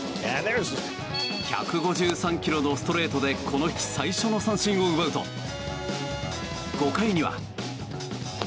１５３ｋｍのストレートでこの日最初の三振を奪うと５回には。